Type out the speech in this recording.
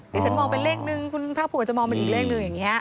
เดี๋ยวฉันมองเป็นเลขหนึ่งคุณพระผู้ก็จะมองเป็นอีกเลขหนึ่งอย่างนี้